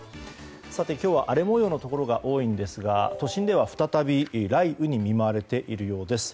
今日は荒れ模様のところが多いんですが都心では再び雷雨に見舞われているようです。